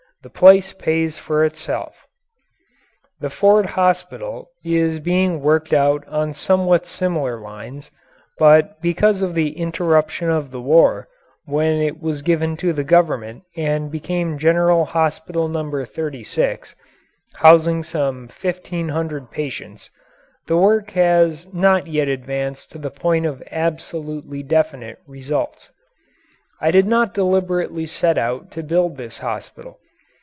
The place pays for itself. The Ford Hospital is being worked out on somewhat similar lines, but because of the interruption of the war when it was given to the Government and became General Hospital No. 36, housing some fifteen hundred patients the work has not yet advanced to the point of absolutely definite results. I did not deliberately set out to build this hospital.